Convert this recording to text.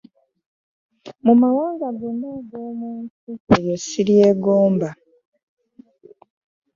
Mu mawanga gonna ag'omunsi, eryo siryegomba.